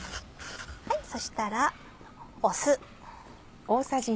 そしたら酢。